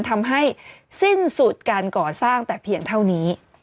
ทำให้สิ้นสุดการก่อสร้างแต่เพียงเท่านี้